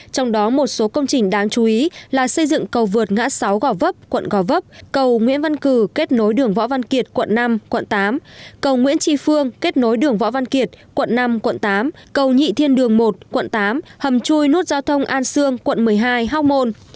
trong đó một số công trình đáng chú ý là xây dựng cầu vượt ngã sáu gò vấp quận gò vấp cầu nguyễn văn cử kết nối đường võ văn kiệt quận năm quận tám cầu nguyễn tri phương kết nối đường võ văn kiệt quận năm quận tám cầu nhị thiên đường một quận tám hầm chui nút giao thông an sương quận một mươi hai hóc môn